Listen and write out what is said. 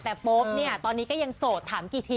แต่โป๊ปเนี่ยตอนนี้ก็ยังโสดถามกี่ที